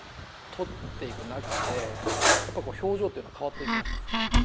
撮っていく中でやっぱり表情というのは変わっていきましたか。